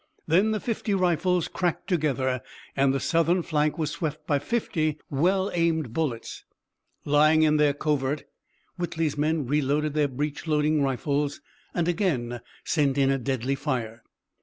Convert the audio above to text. Then the fifty rifles cracked together and the Southern flank was swept by fifty well aimed bullets. Lying in their covert, Whitley's men reloaded their breech loading rifles and again sent in a deadly fire.